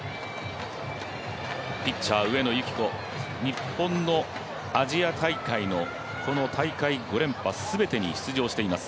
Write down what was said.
ピッチャー・上野由岐子日本のアジア大会のこの大会５連覇全てに出場しています。